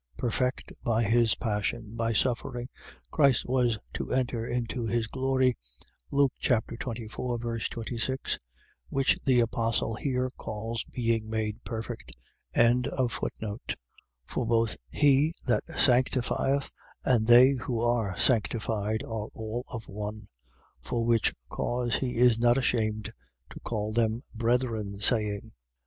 Perfect by his passion. . .By suffering, Christ was to enter into his glory, Luke 24.26, which the apostle here calls being made perfect. 2:11. For both he that sanctifieth and they who are sanctified are all of one. For which cause he is not ashamed to call them brethren, saying: 2:12.